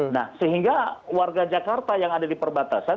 nah sehingga warga jakarta yang ada di perbatasan